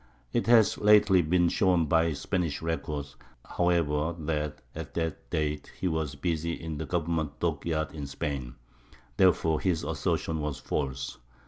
It has lately been shown by Spanish records, however, that at that date he was busy in the government dockyards in Spain; therefore his assertion was false.